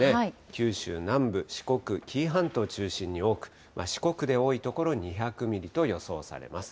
九州南部、四国、紀伊半島中心に多く、四国で多い所、２００ミリと予想されます。